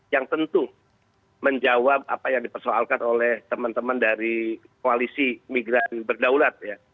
yang tentu menjawab apa yang dipersoalkan oleh teman teman dari koalisi migran berdaulat ya